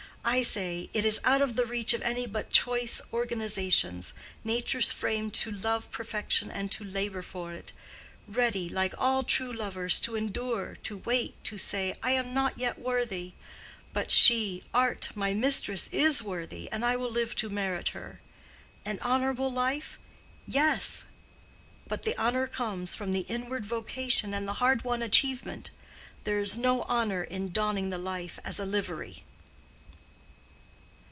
I say, it is out of the reach of any but choice organizations—natures framed to love perfection and to labor for it; ready, like all true lovers, to endure, to wait, to say, I am not yet worthy, but she—Art, my mistress—is worthy, and I will live to merit her. An honorable life? Yes. But the honor comes from the inward vocation and the hard won achievement: there is no honor in donning the life as a livery."